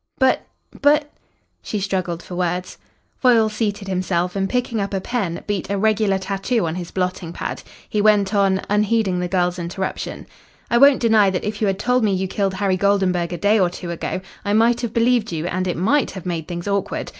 "But but " She struggled for words. Foyle seated himself, and picking up a pen beat a regular tattoo on his blotting pad. He went on, unheeding the girl's interruption. "I won't deny that if you had told me you killed Harry Goldenburg a day or two ago, I might have believed you, and it might have made things awkward.